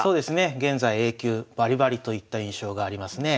現在Ａ級バリバリといった印象がありますね。